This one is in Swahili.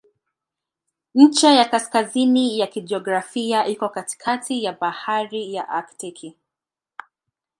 Ncha ya kaskazini ya kijiografia iko katikati ya Bahari ya Aktiki.